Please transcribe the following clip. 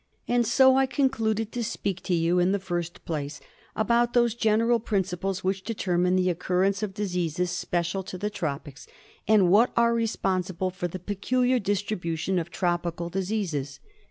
And so I concluded to speak to you, in the first place, about those general principles which determine the occur rence of diseases special to the tropics, and which are responsible for the peculiar distribution of tropical diseases.